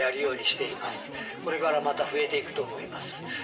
これからまた増えていくと思います。